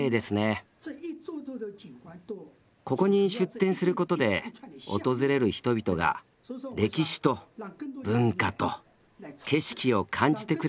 ここに出店することで訪れる人々が歴史と文化と景色を感じてくれればと思います。